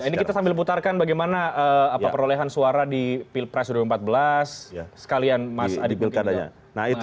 nah ini kita sambil putarkan bagaimana perolehan suara di pilpres dua ribu empat belas sekalian mas adi pilkada